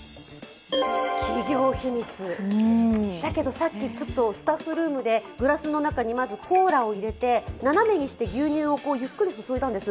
さっきスタッフルームでグラスの中にまずコーラ入れて斜めにして牛乳をゆっくり注いだんです。